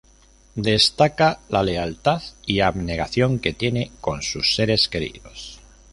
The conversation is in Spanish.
Destaca la lealtad y abnegación que tiene con sus seres queridos.